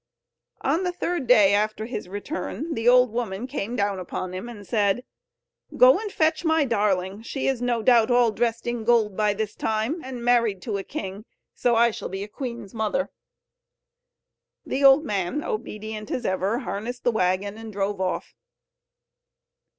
On the third day after his return the old woman came down upon him and said: "Go and fetch my darling; she is no doubt all dressed in gold by this time, or married to a king; so I shall be a queen's mother." The old man, obedient as ever, harnessed the waggon, and drove off.